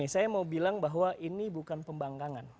saya mau bilang bahwa ini bukan pembangkangan